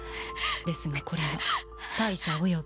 ですがこれは大赦および。